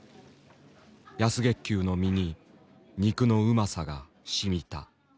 安月給の身に肉のうまさがしみた。